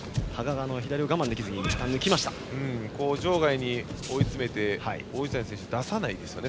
場外に追い詰めて王子谷選手、出さないですね